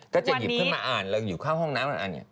ถ้าจะหยิบเพื่อมาอ่านอยู่ข้างห้องน้ำน่ะเนี่ย